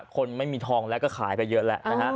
คนไม่มีทองแล้วก็ขายไปเยอะแหละ